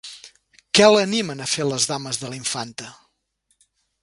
Què l'animen a fer les dames de la Infanta?